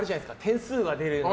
点数が出る。